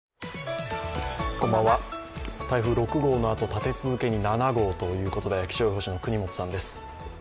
台風６号のあと、立て続けに７号ということで気象予報士の國本さんです。